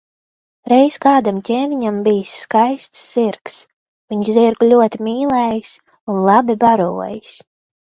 Reiz kādam ķēniņam bijis skaists zirgs, viņš zirgu ļoti mīlējis un labi barojis.